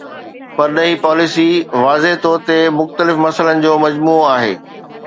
پرڏيهي پاليسي واضح طور تي مختلف مسئلن جو مجموعو آهي.